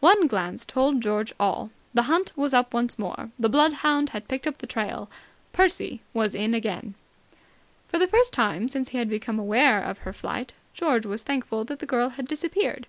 One glance told George all. The hunt was up once more. The bloodhound had picked up the trail. Percy was in again! For the first time since he had become aware of her flight, George was thankful that the girl had disappeared.